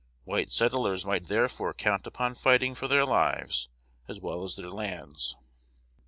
White settlers might therefore count upon fighting for their lives as well as their lands.